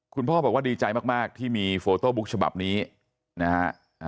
คุณพ่อบอกว่าดีใจมากที่มีโฟโต้บุ๊กฉบับนี้นะฮะ